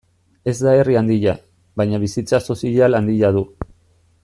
Ez da herri handia, baina bizitza sozial handia du.